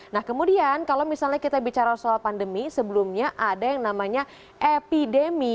nah kemudian kalau misalnya kita bicara soal pandemi sebelumnya ada yang namanya epidemi